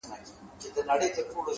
اخلاص د اړیکو ارزښت زیاتوي!